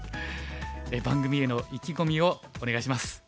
番組への意気込みをお願いします。